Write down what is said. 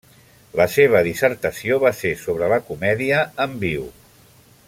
La seva dissertació va ser sobre la comèdia en viu.